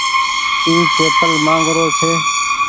اي چيپل مآنگ رو ڇي۔